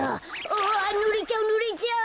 うわぬれちゃうぬれちゃう！